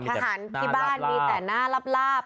ทหารที่บ้านมีแต่หน้าลาบ